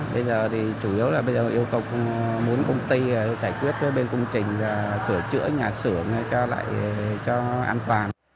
bây giờ thì chủ yếu là yêu cầu muốn công ty giải quyết cho bên công trình sửa chữa nhà xưởng cho lại cho an toàn